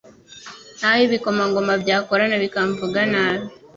N’aho ibikomangoma byakorana bikamvuga nabi